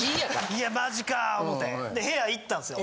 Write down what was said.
いやマジか思って部屋行ったんですよ。